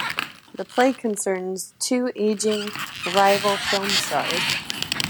The play concerns two aging rival film stars.